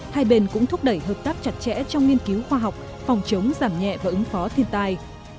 hai bên cũng thúc đẩy hợp tác chặt chẽ trong nghiên cứu khoa học phòng chống giảm nhẹ và ứng phó thiên tai